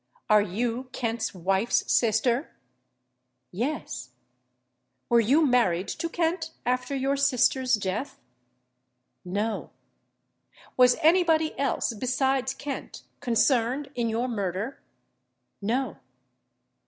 "Are you Kent's wife's sister?" "Yes." "Were you married to Kent after your sister's death?" "No." "Was any body else, besides Kent, concerned in your murder?" "No."